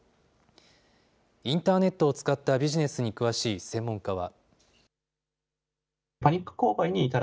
インターネットを使ったビジネスに詳しい専門家は。